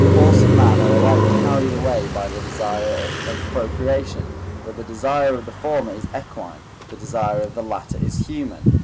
Horse and man are alike carried away by the desire of procreation; but the desire of the former is equine, the desire of the latter is human.